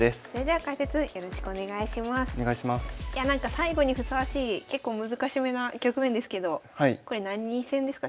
最後にふさわしい結構難しめな局面ですけどこれ何戦ですか？